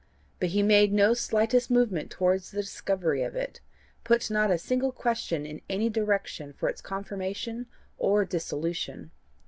But he made no slightest movement towards the discovery of it, put not a single question in any direction for its confirmation or dissolution.